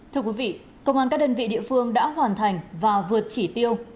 thưa quý vị công an các đơn vị địa phương đã hoàn thành và vượt chỉ tiêu